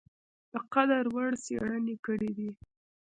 د قدر وړ څېړني کړي دي ۔